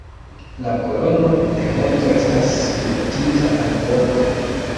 La Kolono de Honto estas skulptita alvoko.